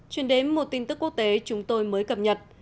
chuyển đến một tin tức quốc tế chúng tôi mới cập nhật